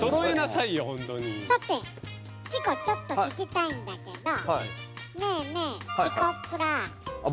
さて、チコちょっと聴きたいんだけどねえねえ、チコプラ。